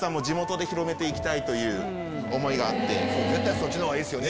そっちのほうがいいですね